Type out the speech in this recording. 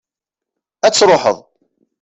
ad truḥeḍ